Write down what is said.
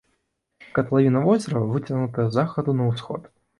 Катлавіна возера выцягнутая з захаду на ўсход.